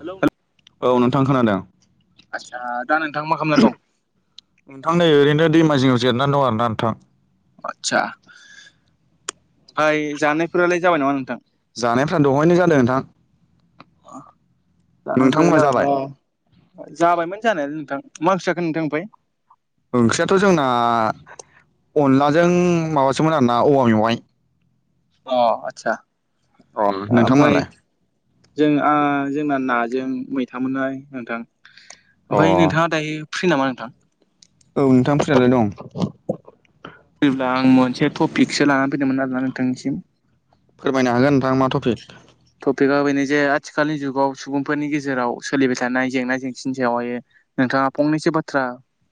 Hello औ नोंथां खोनादों? आदसा दा नोंथां मा खालामनानै दं। नोंथां नै ओरैनो दैमा जिंङायाव जिरायनानै दं आरो ना नोंथां। आदसा ओमफाय जानायफोरालाय जाबाय नामा नोंथां। जानायफ्रा दहायनो जादों नोंथां। जानायफोरा नोंथांमोना जाबाय जाबायबा- जाबायमोन जानायालाय नोंथां मा ओंख्रि नोंथां ओमफ्राय? ओंख्रियाथ' जोंना अनलाजों माबासोमोन आरोना औवा मेवाइ। अ आदसा अ ओ ओमफ्राय नोंथांमोनालाय जों आ जोंना नाजों मैथा मोनहाय नोंथां। अ औ ओमफफ्राय नोंथाङा दायो फ्रि नामा नोंथां? औ नोंथां फ्रियालाय दं। फ्रिब्ला आं मोनसे टपिकसो लानानै फैदोंमोन आरोना नोंथांनिसिम? फोरमायनो हागोन नोंथां मा टपिक? टपिकआ बेनो जे आथिखालनि जुगाव सुबुंफोरनि गेजेराव सोलिबाय थानाय जेंना जेंसिनि सायावहायो। नोंथाङा फंनैसो बाथ्रा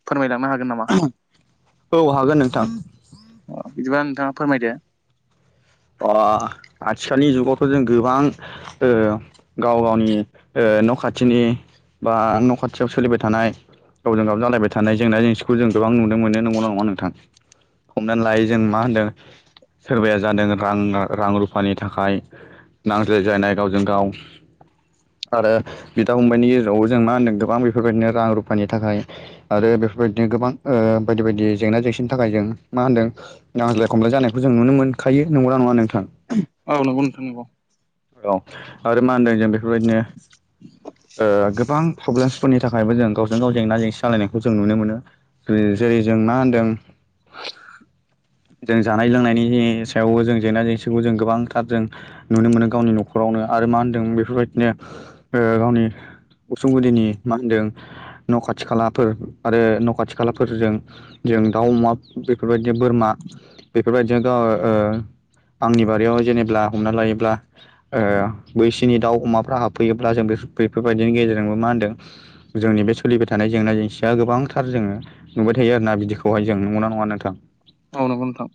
फोरमायलांनो हागोन। नामा औ हागोन नोंथां बिदिबा नोंथाङा फोरमायदो। अ आथिखालनि जुगावथ' जों गोबां। गाव गावनि न' खाथिनि। बा न' खाथियाव सोलिबाय थानाय। गावजों गाव जालायबाय थानाय जेंना जेंसिखौ जों गोबां नुनो मोनो नंगौना नङा नोंथां। हमनानै लायो जों मा होनदों सोरबाया जादों। रां रां रुफानि थाखाय नांज्लायजायनाय गावजों गाव। आरो बिदा फंबायनि गेजेरावबो जों मा होनदों गोबां बेफोरबायदिनो रां रुफानि थाखाय। आरो बेफोरबायदिनो गोबां ओ बायदि बायदि जेंना जेंसिनि थाखाय जों मा होनदों। नांज्लाय खमलाय जानायखौ जों नुनो मोनखायो नंगौ ना नङा नोंथां? औ नंगौ नोंथां नगौ। औ आरो मा होनदों जों बेफोरबायदिनो। ओ गोबां प्रब्लेमसफोरनि थाखायबो जों गावजों गाव जेंना जेंसि सालायनायखौ जों नुनो मोनो। फ्रि जेरै जों मा होन्दों? [inaudible] जों जानाय लोंनायनि सायावबो जों जेंना जेंसिखौ जों गोबांथार जों। नुनो मोनो गावनि न'खरावनो आरो मा होनदों बेफोरबायदिनो गावनि उसुंगुरिनि मा होनदों न' खाथि खालाफोर आरो न' खाथि खालाफोरजों जों दाउ अमा बेफोरबायदिनो बोरमा बेफोरबायदिनो आंनि बारियाव जेनेबब्ला हमना लायोब्ला बैसोनि दाउ अमाफ्रा हाबफैयोब्ला जों बेफोरबायाददिनि गेजेरजोंबो मा होनदों जोंनि बे सोलिबाय थानाय जेंना जेंसिया गोबांथार जोङो नुबाय थायो आर ना बिदिखौहाय जों नुगना नङा नोंथां औ नंगौ नोंथां।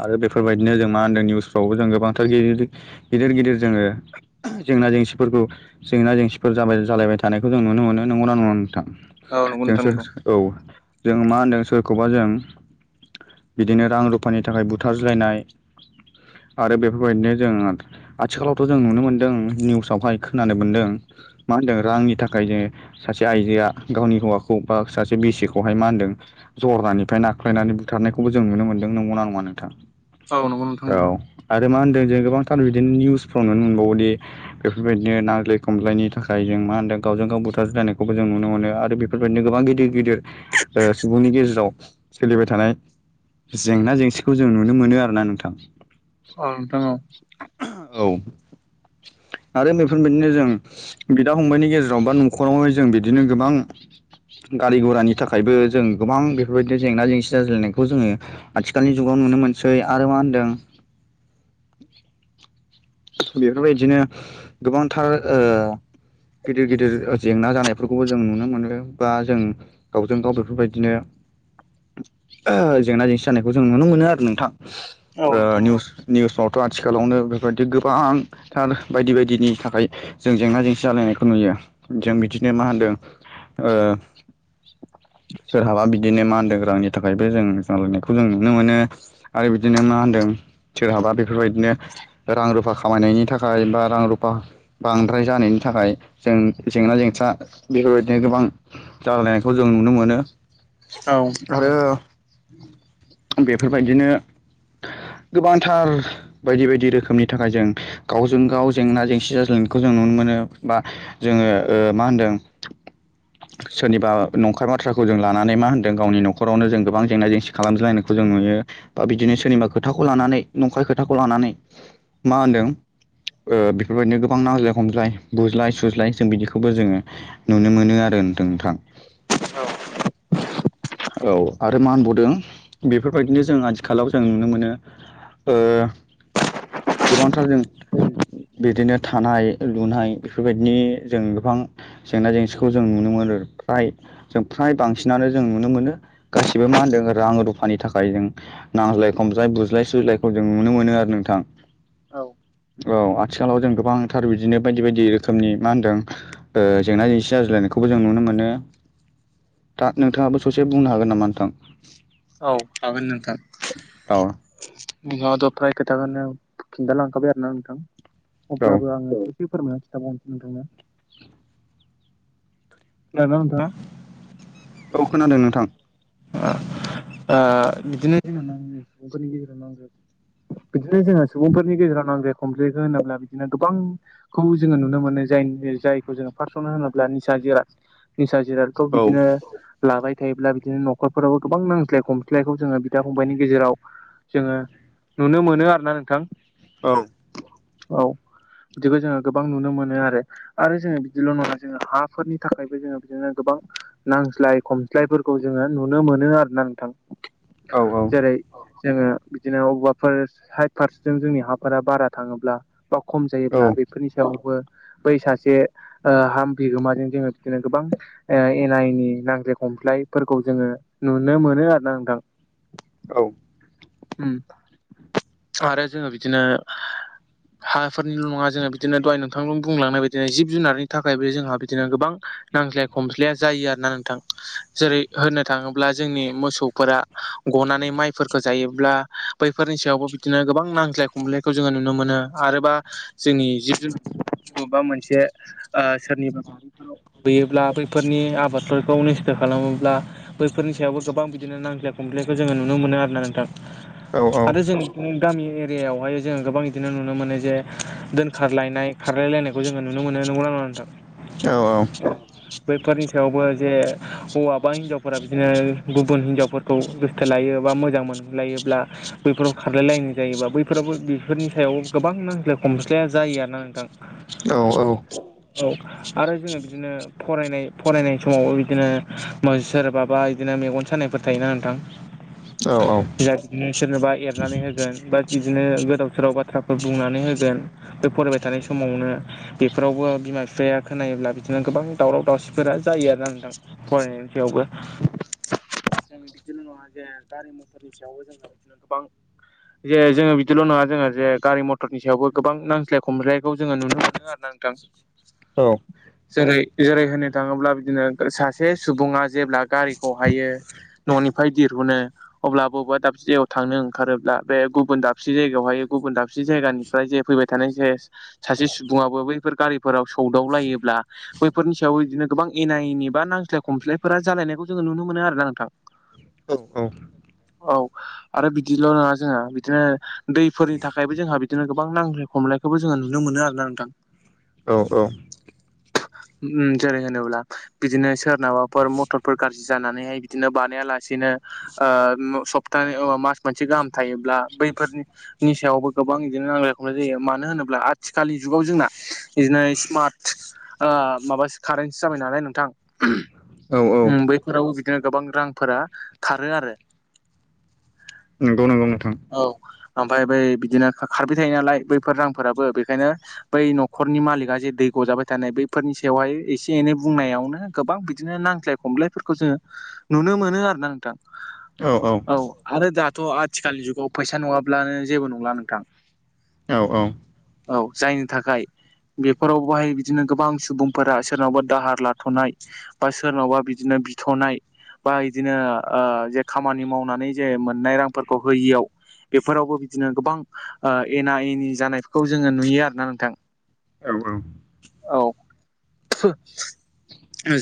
आरो बेफोरबायदिनो जों मा होनदों निउसफ्रावबो जों गोबांथार गिदिर गिदिर गिदिर जोङो जेंना जेंसिफोरखौ जेंना जेंसिफोर जाबाय जालायबाय थानायखौ जों नुनो मोनो नंगौना नंना नोंथां औ नंगौ नोंथां जोंस नंगौ औ जों मा होनदों सोरखौबा जों बिदिनो रां रुफानि थाखाय ब बुथाज्लायनाय आरो बेफोरबायदिनो जोङो आथिखालावथ' जों नुनो मोन्दों निउसावहाय खोनानो मोनदों मा होनदों रांनि थाखाय जे सासे आइजोआ गावनि हौवाखौ बा सासे बिसिखौहाय मा होनदों जरदानिफ्राय नाख्लायनानै बुथारनायखौबो जों नुनो मोनदों नंगौना नङानो औ औ नंगौ नोंथां नंगौ आरो मा होनदों जों गोबांथार बिदिनो निउसफ्राव नुनो मोनबावोदि बेफोरबायदिनो नांज्लाय खमलायनि थाखाय जों मा होनदों गावजों गाव बुथार ज्लायनायखौबो जों नुनो मोनो आरो बे बेबायदिनो गोबां गिदिर गिदिर सुबुंनि गेजेराव सोलिबाय थानाय जेंना जेंसि खौ जों नुनो मोनो आरो ना नोंथां ओं नोथां औ औ आरो बेफोरबायाददिनो जों बिदा फंबायनि गेजेराव बा न'खरावह जों बिदिनो गोबां गारि घरानि थाखायबो जों गोबां बेफोरबायदि जेंना जेंसि जाज्लायनायखौ जोङो आथिखालनि जुगाव नुनो मोनसै आरो मा होनदों बेफोरबायदिनो गोबांथार ओ गिदिर गिदिर जेंना जानायफोरखौबो जों नुनो मोनो बा जों गावजों गाव बेफोरबायदिनो जेंना जेंसि जानायखौ जों नुनो मोनो आरो नोंथां औ नोंथां निस निउफ्रावथ' आथिखालावनो बेफोरबायदि गोबांथार बायदि बायदिनि थाखाय जों जेंना जेंसि जालायनायखौ नुयो जों बिदिनो मा होनदों, सोरहाबा बिदिनो मानदोग्रानि थाखायबो जों जालायनायखौ जों नुनो मोनो, आरो बिदिनो मा होन्दों सोरहाबा बेफोरबायदिनो रां रुफा खामायनायनि थाखाय बा रां रुफा, बांद्राय जानायनि थाखाय जों जेंना जेंसि बेफोरबायदिनो गोबां, जालायनायखौ जों नुनो मोनो औ आरो बेफोरबायदिनो गोबांथार बायदि बायदि रोखोम नि थाखाय जों गावजों गाव जेंना जेंसि जाज्लायनायखौ जों नुनो मोनो बा जोङो मा होनदों [unintelligible] सोरनिबा नंखाय बाथ्राखौ जों लानानै मा होन्दों गावनि न'खरावनो जों गोबां जेंना जेंसि खालामजलायनायखौ जों नुयो बा बिदिनो सोरनिबा खोथाखौ लानानै नंखाय खोथाखौ लानानै मा होनदों ओ बेफोरबायदिनो गोबां नांज्लाय खमज्लाय बुज्लाय सुज्लाय जों बिदिखौबो जोंङो नुनो मोनो आरो नोंथ नोंथां औ [unintelligible] औ आरो मा होनबावदों बेफोरबायदिनो जों आथिखालाव जों नुनो मोनो ओ गोबांथार जों बिदिनो थानाय लुनाय बेफोरबायदि जों गोबां जेंना जेंसिखौ जों नुनो मोनो फ्राय, जों फ्राय बांसिनानो जों नुनो मोनो गासिबो मा होनदों रां रुफानि थाखाय जों, नांज्लाय खमज्लाय बुज्लाय सुज्लायखौ जों नुनो मोनो आरो नोंथां, औ औ आथिखालाव जों गोबांथार बिदिनो बायदि बायदि रोखोमनि मा होनदों, ओ जेंना जेंसि जाज्लायनायखौबो जों नुनो मोनो, दा नोंथाङाबो ससे बुंनो हागोन नामा? नोंथां। औ हागोन नोंथां औ [unintelligible] फ्राय खोथाखौनो खिनथा लांखाबाय आरोना नोंथां औ अब्लाबो आङो, एसे फोरमायनानै खिथाबावनोसै नोंथांनो, खोनादोंना नोंथां, औ खोनादों नोंथां ओ बिदिनो जों सुबुंफोरनि गेजेराव नांगौ बिदिनो जोंहा सुबुंफोरनि गेजेराव नांज्लाय खमज्लायखौ होनोब्ला बिदिनो गोबां, खौ जोङो नुनो मोनो जाय जायखौ जो फार्सआवनो होनोब्ला निसा जिराद निसा जिरादखौ औ बिदिनो लाबाय थायोब्ला बिदिनो न'ख न'खरफोरावबो गोबां नांज्लाय खमज्लायखौ जोङो बिदा फंबायनि गेजेराव, जोङो नुनो मोनो आरोना नोंथां, औ औ बिदिखौ जोङो गोबां नुनो मोनो आरो आरो जोङो बिदिल' नङा जोङो हाफोरनि थाखायबो जोङो बिदिनो गोबां, नांज्लाय खमज्लायफोरखौ जोङो नुनो मोनो आरो ना नोंथां औ जेरै जोङो बिदिनो अबाफोर साइड फारजों जोंनि हाफोरा बारा थाङोब्ला बा खम औ जायोब्ला बेफोरनि सायावबो बै सासे ओ हा बिगोमाजों जोङो बिदिनो गोबां ओ एना एनि नांज्लाय खमज्लाय फोर खौ जोङो नुनो मोनो आरो ना नोंथां औ उम आरो जोङो बिदिनो हाफोरनिल' नङा जोङो बिदिनो दहाय नोंथां बुंलांनाय बायदिनो जिब जुनारनि थाखायबो जोंहा बिदिनो गोबां नांज्लाय खमज्लाया जायो आरोना नोंथां जेरै होननो थाङोब्ला जोंनि मोसौफोरा गनानै माइफोरखो जायोब्ला बैफोरनि सायावबो बिदिनो गोबां नांज्लाय खमलायखौ जोङो नुनो मोनो आरोबा जोंनि जिब जुनार बबबा मोनसे ओ सोरनिबा [inaudible] हैयोब्ला बैफोरनि आबादफोरखौ नोस्थो खालामोब्ला बैफोरनि सायावबो गोबां बिदिनो नांज्लाय खमज्लायखौ जोङो नुनो मोनो आरोना नोंथां औ आरो जों उम गामि एरियायावहाय जोङो गोबां इदिनो नुनो मोनो जे दोनखारलायनाय खारलायलायनायखौ जोङो नुनो मोनो नंगौना नङा नोंथां? औ बैफोरनि सायावबो जे हौवा बा हिनजावफोरा बिदिनो गुबुन हिनजावफोर खौ गोसो थोलायो बा मोजां मोनलायोब्ला बैफोराव खारलायलायनाय जायोबा बैफोराबो बेफोरनि सायाव गोबां नांज्लाय खमस्लाया जायो आरोना नोंथां, औ औ आरो जोङो बिदिनो, फरायनाय फरायनाय समावबो बिदिनो सोरबाबा बिदिनो मेगन सानायफोर थायोना नोंथां, औ सोरनोबा एर नानै होगोन बा बिदिनो गोदाव सोराव बाथ्राफोर बुंनानै होगोन बे फरायबाय थानाय समावनो, बेफोरावबो बिमा बिफाया खोनायोब्ला बिदिनो गोबां दावराव दावसिफोरा जायो आरोना नोंथां। फरायनायनि सायावबो [inaudible] [inaudible] जे जोङो बिदिल' नोङा जोंहा जे गारि मथरनि सायावबो गोबां नांज्लाय खमब्रायखौ जोङो नुनो मोनदों आरो नोंथां औ जेरै जेरै होननो थाङोब्ला बिदिनो सासे सुबुङा जेब्ला गारिखौ हायो न'निफाय दिहुनो अब्ला बबबा दाबसे जायाव थांनो ओंखारोब दा बे गुबुन दाबसे जायगायावहाय गुबुन दाबसे जायगानिफ्राय जे फैबाय थानाय जे सासे सुबुङाबो बैफोर गारिफोराव सौदावलायोब्ला बैफोरनि सायाव बिदिनो गोबां एना एनि बा नांस्लाय खमस्लायफोरा जालायनायखौ जोङो नुनो मोनो आरोना नोंथां। औ [inaudible] औ आरो बिदिल' नङा जोंहा बिदिनो दैफोरनि थाखायबो जोंहा बिदिनो गोबां नांज्लाय खमलायखौबो जोङो नुनो मोनो आरोना नोंथां। औ औ। उम जेरै होनोब्ला बिदिनो सोरनाबाफोर मथर फोर गाज्रि जानानैहाय बिदिनो बानायालासेनो ओ उम सप्ता ओ मास मोनसे गाहाम थायोब्ला बैफोरनि सायावबो गोबां बिदिनो नांलाय खमलाय जायो मानो होनोब्ला आ थिखालनि जुगाव जोंना इदिनै स्मार्ट ओ माबास कारेनसो जाबाय नालाय नोंथां औ औ ओम बैफोरावबो बिदिनो गोबां रां फोरा खारो आरो। नोंगौ नोंगौ नोंथां। औ ओमफाय बै बिदिनो खारबाय थायो नालाय बैफोर रांफोराबो बेखायनो बै न'खरनि मालिगा जे दै गजाबाय थानाय बैफोरनि सायावहाय एसे एनै बुंनायावनो गोबां बिदिनो नांज्लाय खमलायफोरखौ जोङो नुनो मोनो आरोना नोंथां। औ औ। आरो दाथ' आथिखालनि जुगाव फैसा नङाब्लानो जेबो नंला नोंथां। औ औ। औ जायनि थाखाय बेफोराव बोहाय बिदिनो गोबां सुबुंफोरा सोरनावबा दाहार लाथ'नाय बा सोरनावबा बिदिनो बिथ'नाय बा इदिनो ओ जे खामानि मावनानै जे मोननाय रां फोरखौ होयियाव बेफोरावबो बिदिनो गोबां ओ एना एनि जानाय खौ जोङो नुयो आरोना नोंथां। औ औ। औ [unintelligible]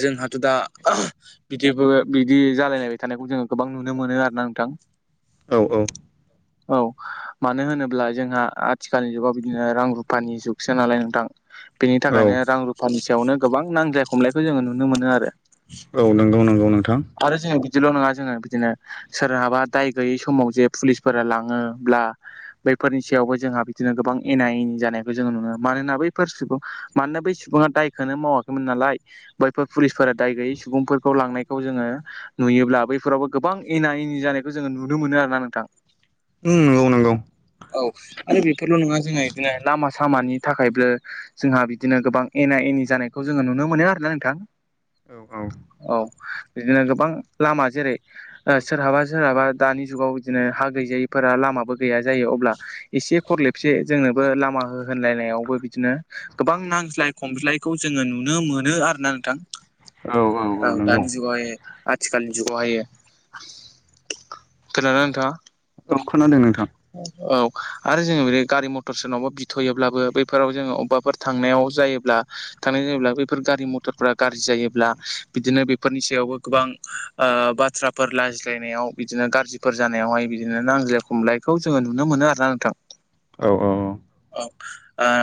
जोंहाथ' दा बिदिबो बिदि जालायलायबाय थानायखौ जोङो गोबां नुनो मोनो आरोना नोंथां। औ औ। औ। मानो होनोब्ला जोंहा आथिखालनि जुगाव बिदिनो रां रुफानि जुगसो नालाय नोंथां। बेनि औ थाखायनो रां रुफानि सायावनो गोबां नांज्लाय खमलायखौ जोङो नुनो मोनो आरो। औ नंगौ नंगौ नोंथां। आरो जोङो बिदिल' नङा जोङो बिदिनो सोरहाबा दाय गैयै समाव जे पुलिसफोरा लाङोब्ला बैफोरनि सायावबो जोंहा बिदिनो गोबां एना एनि जानायखौ जोङो नुनो मानोना बैफोर सुबुं मानोना बै सुबुङा दायखोनो मावाखैमोन नालाय बैफोर पुलिसफोरा दाय गैयै सुबुंफोरखौ लांनायखौ जोङो नुयोब्ला बै फोरावबो गोबां एना एनि जानायखौ जोङो नुनो मोनो आरोना नोंथां उम नंगौ नंगौ औ [unintelligible] बेल' नोङा जोङो इदिनो लामा सामानि थाखायबो जोंहा बिदिनो गोबां एना एनि जानायखौ जोङो नुनो मोनो आरोना नोंथां। औ औ बिदिनो गोबां लामा जेरै ओ सोरहाबा सोरहाबा दानि जुगाव बिदिनो हा गैजायिफोरा लामाबो गैया जायो अब्ला एसे खरलेबसे जोंनोबो लामा हो होनलायनायावबो बिदिनो गोबां नांज्लाय खमज्लायखौ जोङो नुनो मोनो आरो ना नोंथां। औ दानि जुगावहाय आथिखालनि जुगावहाय नोंथाङा औ खोनादों नोंथां। औ आरो जोङो बे गारि मथर सोरनावबा बि थ'योब्लाबो बैफोराव जोङो अबबाफोर थांनायाव जायोब्ला। थांनाय जायोब्ला बैफोर गारि मथरफोरा गाज्रि जायोब्ला बिदिनो बेफोरनि सायावबो गोबां ओ बाथ्राफोर लाज्लायनायाव गाज्रिफोर जानायावहाय बिदिनो नांज्लाय खमलायखौ जोङो नुनो मोनो आर ना नोंथां। औ औ औ। औ ओ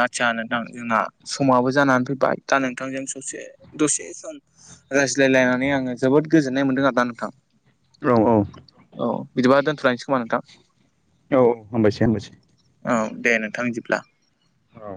आदसा नोंथां जोंना समाबो जानानै फैबाय दा नोंथांजों ससे दसे सम रायज्लायलायनानै आङो जोबोद गोजोननाय मोनदों आरोना नोंथां। औ औ। औ बिदिबा दोनथ'लायसै खोमा नोंथां। औ हामबायसै हामबायसै औ दे नोंथां जोबब्ला। औ।